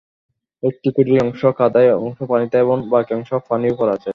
একটি খুঁটির অংশ কাদায়, অংশ পানিতে এবং বাকি অংশ পানির ওপরে আছে।